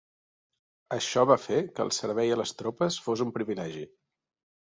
Això va fer que el servei a les tropes fos un privilegi.